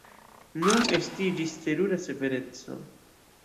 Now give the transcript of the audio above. Nun estiĝis terura severeco.